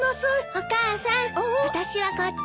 お母さん私はこっち。